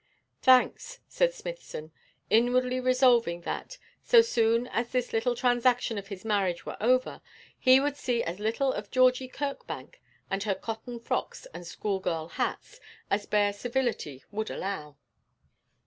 'Thanks,' said Smithson, inwardly resolving that, so soon as this little transaction of his marriage were over, he would see as little of Georgie Kirkbank and her cotton frocks and schoolgirl hats as bare civility would allow.